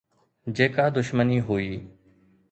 جيڪا دشمني هئي